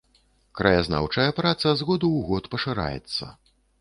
Краязнаўчая праца з году ў год пашыраецца.